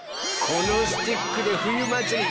このスティックで「ふゆまつり」